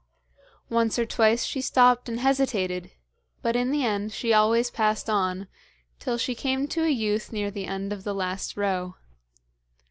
Once or twice she stopped and hesitated, but in the end she always passed on, till she came to a youth near the end of the last row.